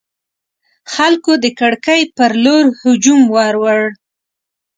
خلکو د کړکۍ پر لور هجوم وروړ.